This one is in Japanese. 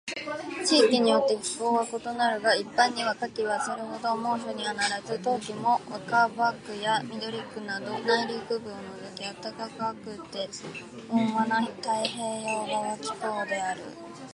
地域によって気候は異なるが、一般には夏季はそれほど猛暑にはならず、冬季も若葉区や緑区など内陸部を除き暖かくて温和な太平洋側気候である。